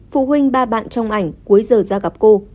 phụ huynh ba bạn trong ảnh cuối giờ ra gặp cô